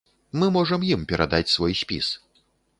Мы можам ім перадаць свой спіс.